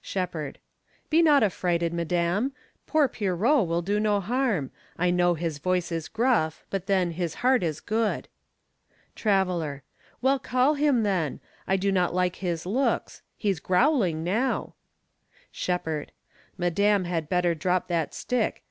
Shepherd. Be not affrighted, madame. Poor Pierrot Will do no harm. I know his voice is gruff, But then, his heart is good. Traveler. Well, call him, then. I do not like his looks. He's growling now. Shepherd. Madame had better drop that stick.